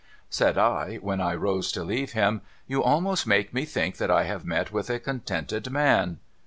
Said I, when I rose to leave him, ' You almost make me think that I have met with a contented man.'